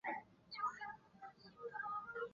其终点站迁往现址埃默里维尔市。